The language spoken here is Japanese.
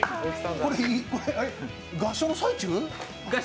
これ、合唱の最中？